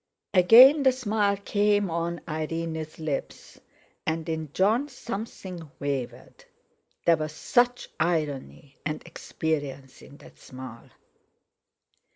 Again the smile came on Irene's lips, and in Jon something wavered; there was such irony and experience in that smile.